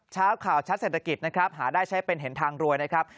เช้าข่าวชัดเศรษฐกิจนะครับหาได้ใช้เป็นเห็นทางรวยนะครับ